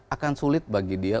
akan sulit bagi dia